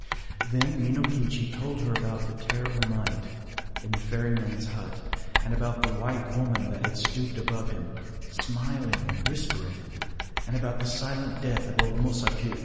” Then Minokichi told her about the terrible night in the ferryman’s hut,—and about the White Woman that had stooped above him, smiling and whispering,—and about the silent death of old Mosaku.